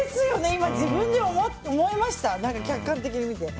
今、自分で思いました客観的に見て。